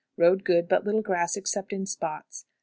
Road good, but little grass except in spots.